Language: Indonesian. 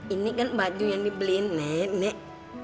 ini kan baju yang dibeli nenek